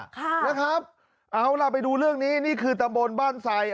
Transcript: ค่ะนะครับเอาล่ะไปดูเรื่องนี้นี่คือตำบลบ้านไส